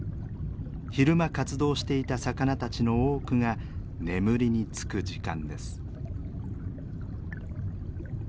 昼間活動していた魚たちの多くが眠りにつく時間です。